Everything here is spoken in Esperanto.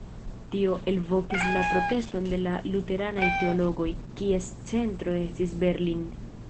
Tio elvokis la proteston de la luteranaj teologoj, kies centro estis Berlin.